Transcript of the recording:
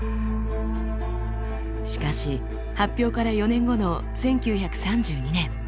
しかし発表から４年後の１９３２年。